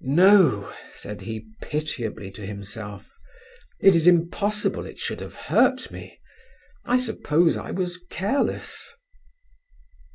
"No," said he pitiably to himself, "it is impossible it should have hurt me. I suppose I was careless."